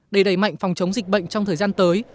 để đẩy mạnh phòng chống dịch bệnh trong thời gian tới